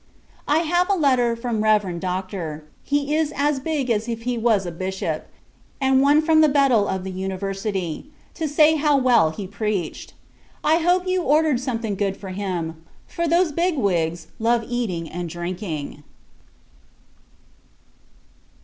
I have a letter from Reverend Doctor he is as big as if he was a Bishop; and one from the Bedel of the university, to say how well he preached. I hope you ordered something good for him, for those big wigs love eating and drinking.